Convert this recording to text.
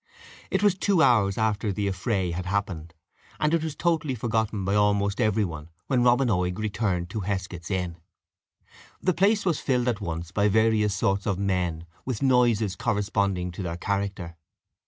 It was two hours after the affray had happened, and it was totally forgotten by almost every one, when Robin Oig returned to Heskett's inn. The place was filled at once by various sorts of men and with noises corresponding to their character.